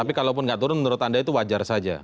tapi kalau pun tidak turun menurut anda itu wajar saja